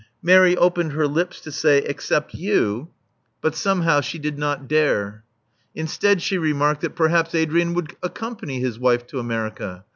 Mary opened her lips to say, Except you"; but 442 Love Among the Artists somehow she did not dare. Instead, she remarked that perhaps Adrian would accompany his wife to America.